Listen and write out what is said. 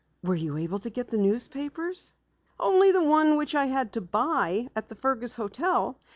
"Were you able to get the newspapers?" "Only one which I had to buy at the Fergus hotel.